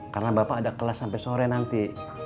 karena bapak ada kelas sampai sore nanti